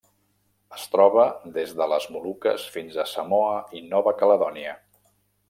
Es troba des de les Moluques fins a Samoa i Nova Caledònia.